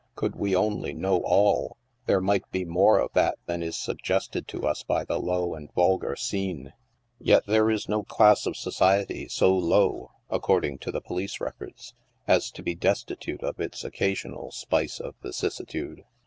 Could we only know all, there might be more of that than is suggested to us by the low and vulgar scene. Yet there is no class of so ciety so low, according to the police records, as to be destitute of its occasional spice of vicissitude.